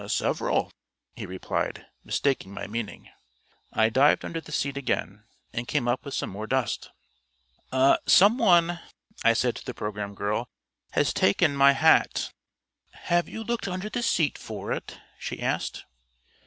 "Several," he replied, mistaking my meaning. I dived under the seat again, and came up with some more dust. "Some one," I said to the programme girl, "has taken my hat." "Have you looked under the seat for it?" she asked.